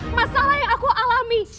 masalah yang aku alami